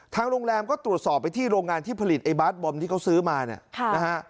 โรงแรมก็ตรวจสอบไปที่โรงงานที่ผลิตไอบาสบอมที่เขาซื้อมาเนี่ยนะฮะ